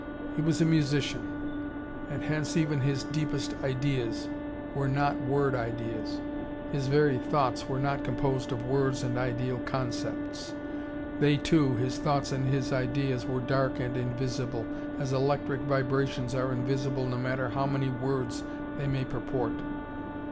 He was a musician. And hence even his deepest ideas: were not word ideas, his very thoughts were not composed of words and ideal concepts. They too, his thoughts and his ideas, were dark and invisible, as electric vibrations are invisible no matter how many words they may purport.